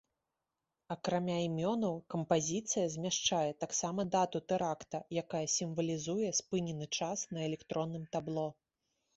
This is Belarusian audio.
Акрамя імёнаў кампазіцыя змяшчае таксама дату тэракта, якая сімвалізуе спынены час на электронным табло.